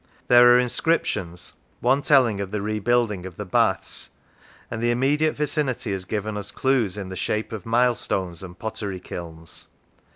There are inscriptions, one telling of the rebuilding of the baths, and the immediate vicinity has given us clues in the shape of milestones and pottery kilns.